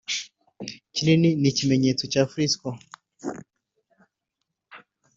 kinini nkikimenyetso cya frisco